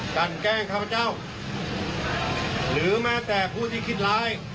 กันแกล้งข้าพเจ้าหรือแม้แต่ผู้ที่คิดร้าย